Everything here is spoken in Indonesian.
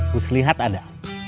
bus lihat ada